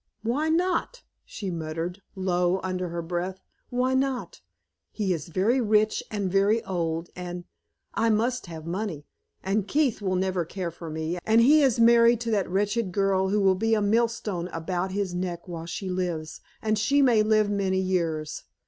"Why not?" she muttered, low under her breath, "why not? He is very rich and very old, and I must have money. And Keith will never care for me, and he is married to that wretched girl who will be a mill stone about his neck while she lives, and she may live many years.